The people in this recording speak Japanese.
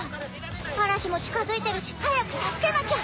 嵐も近づいてるし早く助けなきゃ。